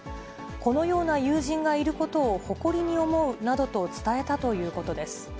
このような友人がいることを誇りに思うなどと伝えたということです。